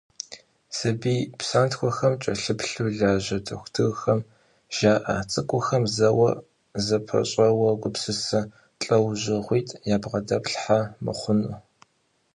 Сабий псантхуэм кӏэлъыплъу лажьэ дохутырхэм жаӏэ цӏыкӏухэм зэуэ зэпэщӏэуэ гупсысэ лӏэужьыгъуитӏ ябгъэдэплъхьэ мыхъуну.